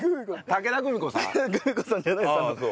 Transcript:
武田久美子さんじゃないです。